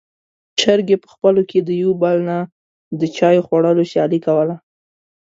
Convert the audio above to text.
چرګې په خپلو کې د يو بل نه د چای خوړلو سیالي کوله.